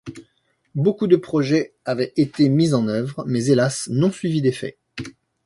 Beaucoup de projets avaient été mis en œuvre, mais hélas non suivis des faits.